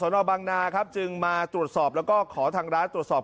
นอบังนาครับจึงมาตรวจสอบแล้วก็ขอทางร้านตรวจสอบ